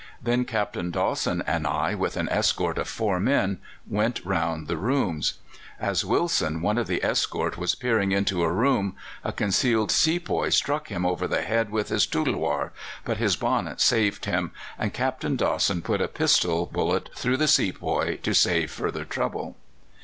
Then Captain Dawson and I, with an escort of four men, went round the rooms. As Wilson, one of the escort, was peering into a room, a concealed sepoy struck him over the head with his tulwâr; but his bonnet saved him, and Captain Dawson put a pistol bullet through the sepoy to save further trouble.